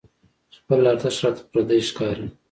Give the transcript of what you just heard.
خپل ارزښتونه راته پردي ښکاري.